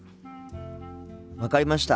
分かりました。